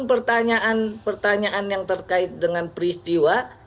pertanyaan pertanyaan yang terkait dengan peristiwa